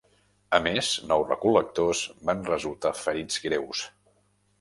A més, nou recol·lectors van resultar ferits greus.